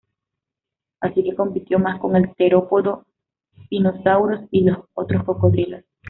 Así que compitió más con el terópodo "Spinosaurus" y los otros cocodrilos.